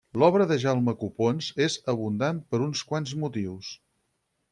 L'obra de Jaume Copons és abundant per uns quants motius.